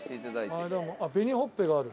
紅ほっぺがある。